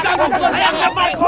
gak peduli lu ganggu